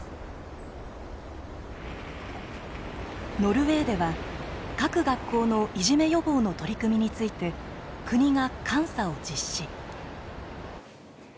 ノルウェーでは各学校のいじめ予防の取り組みについて国が監査を実施。